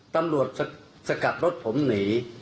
ตำรวจสกัดรถผมหนี